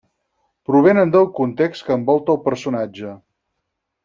Provenen del context que envolta el personatge.